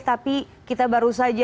tapi kita baru berjumpa